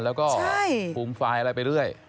แล้วก็ฟูมฟายอะไรไปเรื่อย